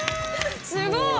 すごい！